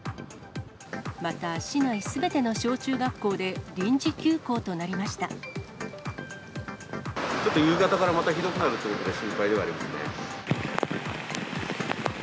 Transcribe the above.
また市内すべての小中学校で、ちょっと夕方からまたひどくなるということで、心配ではありますね。